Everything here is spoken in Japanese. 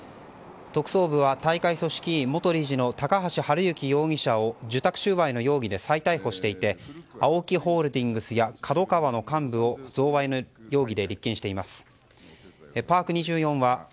特捜部は大会組織委元理事の高橋治之容疑者を受託収賄の容疑で再逮捕していてＡＯＫＩホールディングスやＫＡＤＯＫＡＷＡの幹部を贈賄の容疑で立件しています。